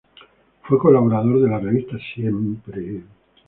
Fue colaborador de las revistas "Siempre!